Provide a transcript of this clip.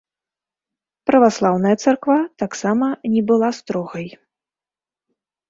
Праваслаўная царква таксама не была строгай.